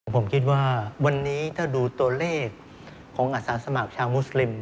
ผมคิดว่าวันนี้ถ้าดูตัวเลขของอาสาสมัครชาวมุสลิม